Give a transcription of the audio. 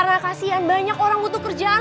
kalau cuma karena kasihan banyak orang butuh kerjaan